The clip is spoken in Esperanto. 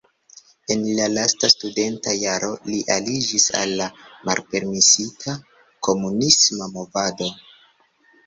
En la lasta studenta jaro li aliĝis al la malpermesita komunisma movado.